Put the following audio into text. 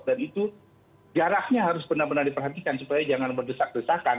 dan itu jaraknya harus benar benar diperhatikan supaya jangan berdesak desakan